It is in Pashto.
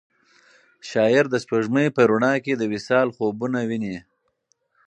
شاعر د سپوږمۍ په رڼا کې د وصال خوبونه ویني.